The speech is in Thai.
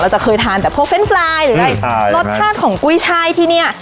เราจะเคยทานแต่พวกเฟรนด์ฟรายหรืออะไรใช่รสชาติของกุ้ยชายที่เนี้ย